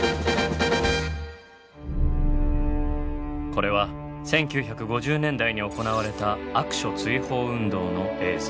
これは１９５０年代に行われた悪書追放運動の映像。